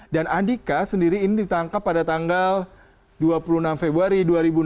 dan andika sendiri ini ditangkap pada tanggal dua puluh enam februari dua ribu enam belas